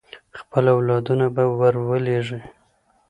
خپل اولادونه به ور ولېږي.